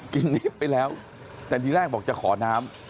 ลิฟต์ไปแล้วแต่ทีแรกบอกจะขอน้ำ